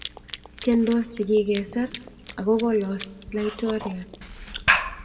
Tiendos che kigesor ak kolos’ Laitoriat